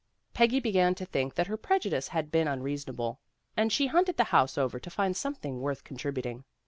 Peggy began to think that her prejudice had been unreasonable, and she hunted the house over to find something worth contributing.